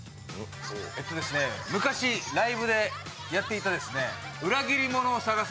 昔ライブでやっていた「裏切り者を探せ！